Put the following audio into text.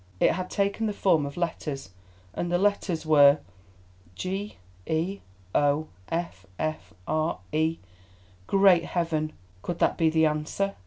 It had taken the form of letters, and the letters were G E O F F R E—Great heaven! Could that be the answer?